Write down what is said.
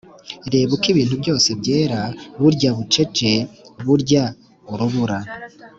reba uko ibintu byose byera, burya bucece, burya urubura.